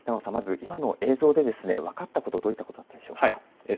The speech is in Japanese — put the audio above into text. まず今の映像で分かったことどういったことでしょうか。